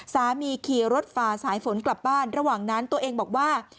ขี่รถฝ่าสายฝนกลับบ้านระหว่างนั้นตัวเองบอกว่า